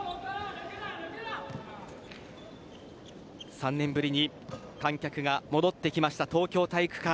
３年ぶりに観客が戻ってきました東京体育館。